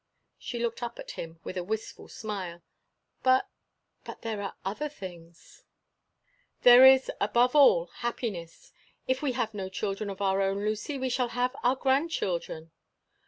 She looked up at him with a wistful smile. "But—but there are other things—" "There is, above all, happiness! If we have no children of our own, Lucy, we shall have our grandchildren."